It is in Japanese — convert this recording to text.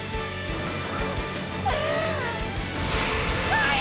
はい！！